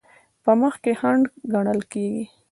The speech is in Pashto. په مخ کې خنډ ګڼل کیږي.